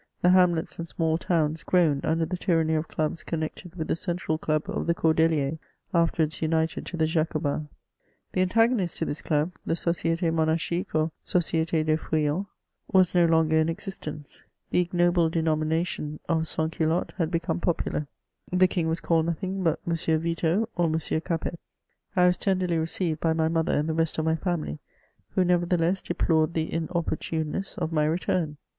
The hamlets and small towns groaned under the tyranny of clubs connected with the central club of the Cordeliers, afterwards united to the Jacobins. The antagonist to this club, the Societe Monarchique or Societe des FeuillanSy was no longer in existence ; the ignoble denomination of sans culottes had become popular ; the kiug was called nothing but Monsieur Veto or Monsieur Capet, I was tenderly received by my mother and the rest of vay family, who, nevertheless, deplored the inopportuneness of my return.